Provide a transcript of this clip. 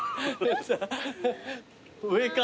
上か。